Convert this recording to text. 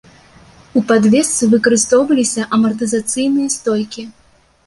У падвесцы выкарыстоўваліся амартызацыйныя стойкі.